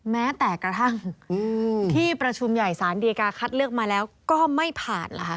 แม้แต่กระทั่งที่ประชุมใหญ่ศาลดีกาคัดเลือกมาแล้วก็ไม่ผ่านเหรอคะ